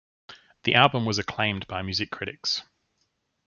The album was acclaimed by music critics.